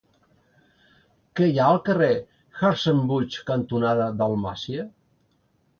Què hi ha al carrer Hartzenbusch cantonada Dalmàcia?